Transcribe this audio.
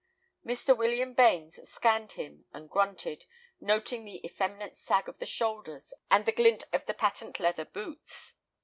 Mr. William Bains scanned him, and grunted, noting the effeminate sag of the shoulders and the glint of the patent leather boots.